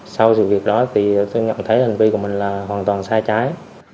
sau sự việc đó thì tôi nhận thấy hành vi của mình là hoàn toàn sai trái